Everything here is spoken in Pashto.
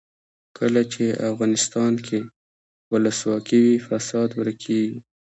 کله چې افغانستان کې ولسواکي وي فساد ورک کیږي.